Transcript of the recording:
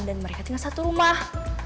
dan mereka tinggal satu rumah